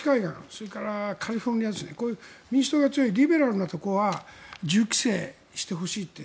それからカリフォルニア民主党が強いリベラルなところは銃規制してほしいって。